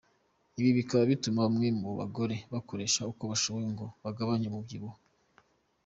Ibi bikaba bituma bamwe mu bagore bakoresha uko bashoboye ngo bagabanye umubyibuho.